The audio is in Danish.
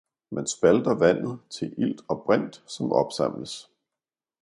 Man spalter vandet til ilt og brint, som opsamles.